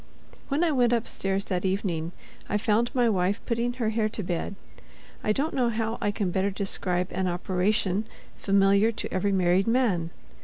When I went upstairs that evening, I found my wife putting her hair to bed—I don't know how I can better describe an operation familiar to every married man.